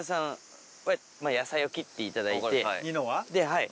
はい。